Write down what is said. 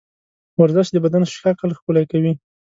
ورزش د بدن شکل ښکلی کوي.